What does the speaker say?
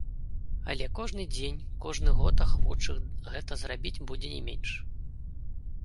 Але кожны дзень, кожны год ахвочых гэта зрабіць будзе не менш.